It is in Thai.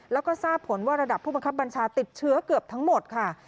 แล้วก็ทราบผลว่าระดับผู้บังคับบัญชาติดเชื้อเกือบทั้งหมดค่ะ